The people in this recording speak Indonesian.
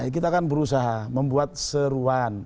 kita akan berusaha membuat seruan